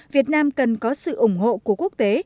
việt nam cần có sự ủng hộ của quốc tế